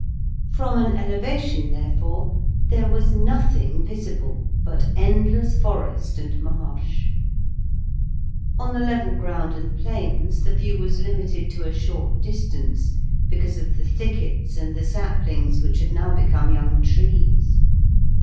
From an elevation, therefore, there was nothing visible but endless forest and marsh. On the level ground and plains the view was limited to a short distance, because of the thickets and the saplings which had now become young trees.